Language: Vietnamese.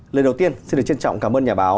lời đầu tiên xin được trân trọng cảm ơn nhà báo